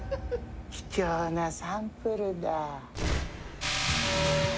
貴重なサンプルだ。